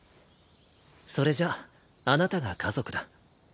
それじゃあなたが家族だ。